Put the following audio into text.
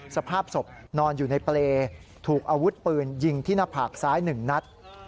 สภาพศพนอนอยู่ในเปรย์ถูกอาวุธปืนยิงที่หน้าผากซ้าย๑นัด